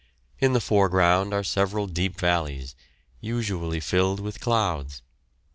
In the foreground are several deep valleys, usually filled with clouds.